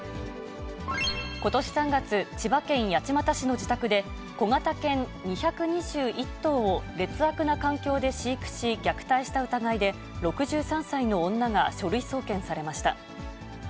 ことし３月、千葉県八街市の自宅で、小型犬２２１頭を劣悪な環境で飼育し、虐待した疑いで６３歳の女が書類送検されました。